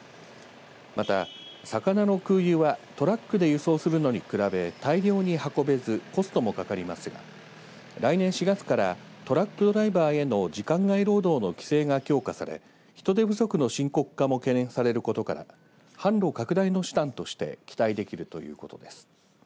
また、魚の空輸はトラックで輸送するのに比べ大量に運べずコストもかかりますが来年４月からトラックドライバーへの時間外労働の規制が強化され人手不足の深刻化も懸念されることから販路拡大の手段として期待できるということです。